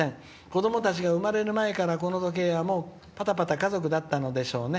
子どもたちが生まれる前からこの時計はパタパタ家族だったんでしょうね。